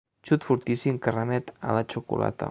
Xut fortíssim que remet a la xocolata.